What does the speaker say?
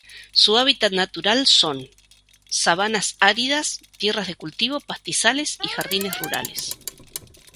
Su hábitat natural son: sabanas áridas, tierras de cultivo, pastizales y jardines rurales.